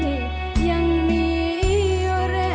เพลงที่สองเพลงมาครับ